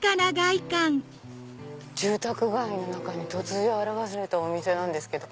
住宅街の中に突如現れたお店なんですけど。